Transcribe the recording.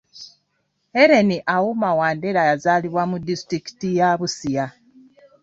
Hellen Auma Wandera yazaalibwa mu disitulikiti ya Busia